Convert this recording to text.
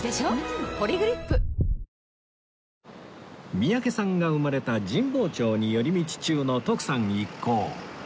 三宅さんが生まれた神保町に寄り道中の徳さん一行